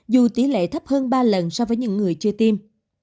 dù tỷ lệ thấp hơn ba lần so với những người chưa tiêm